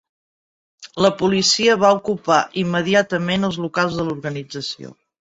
La policia va ocupar immediatament els locals de l'organització.